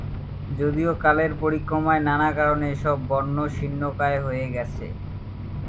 যদিও কালের পরিক্রমায় নানা কারণে এসব বন শীর্ণকায় হয়ে গেছে।